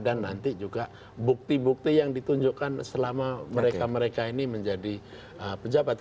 dan nanti juga bukti bukti yang ditunjukkan selama mereka mereka ini menjadi pejabat